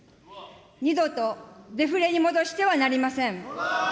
二度とデフレに戻してはなりません。